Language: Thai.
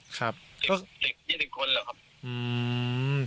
ครับอืม